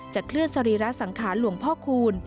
จะเคลื่อนศรีรสังขารหลวงพ่อขุน